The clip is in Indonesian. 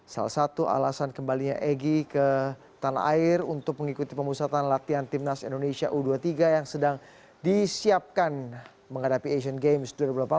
salah satu alasan kembalinya egy ke tanah air untuk mengikuti pemusatan latihan timnas indonesia u dua puluh tiga yang sedang disiapkan menghadapi asian games dua ribu delapan belas